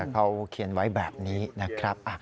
เขาเขียนไว้แบบนี้นะครับ